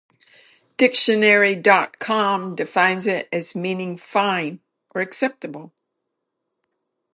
Dictionary dot com defines it as meaning "fine" or "acceptable".